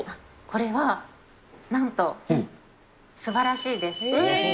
これはなんと、すばらしいです。